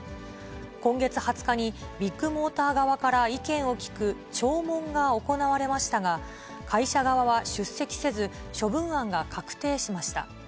今月２０日にビッグモーター側から意見を聞く聴聞が行われましたが、会社側は出席せず、処分案が確定しました。